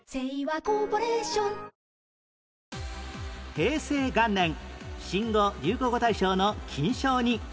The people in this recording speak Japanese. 平成元年新語・流行語大賞の金賞に